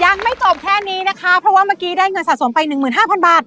ยังไม่จบแค่นี้นะคะเพราะว่าเมื่อกี้ได้เงินสะสมไป๑๕๐๐บาท